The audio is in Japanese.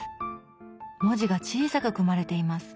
文字が小さく組まれています。